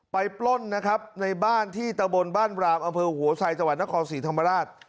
ปล้นนะครับในบ้านที่ตะบนบ้านรามอำเภอหัวไซจังหวัดนครศรีธรรมราช